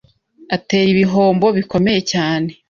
atera ibihombo bikomeye cyane